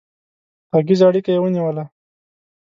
غږيزه اړيکه يې ونيوله